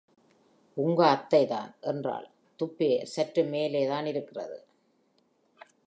உங்க அத்தைதான், "என்றாள் துப்பே" சற்று மேலே தான் இருக்கிறது.